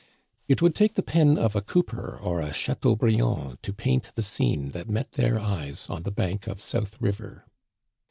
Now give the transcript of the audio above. It would take the pen of a Cooper or a Chateau briand to paint the scene that met their eyes on the bank of South River.